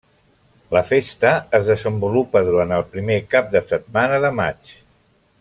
La festa es desenvolupa durant el primer cap de setmana de maig.